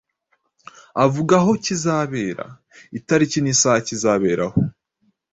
avuga aho kizabera, itariki n’isaha kizaberaho.